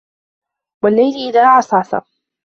وَاللَّيلِ إِذا عَسعَسَ